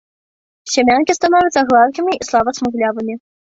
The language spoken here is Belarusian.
Сямянкі становяцца гладкімі і слаба смуглявымі.